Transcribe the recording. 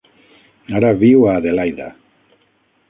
Ara viu a Adelaida.